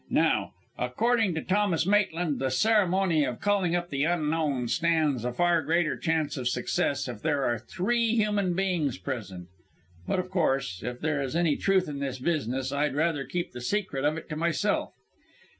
Now, according to Thomas Maitland, the ceremony of calling up the Unknown stands a far greater chance of success if there are three human beings present ... but, of course, if there is any truth in this business, I'd rather keep the secret of it to myself.